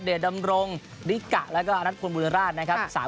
เดดัมรงค์ริกะแล้วก็นัดควรบุญราชนะครับ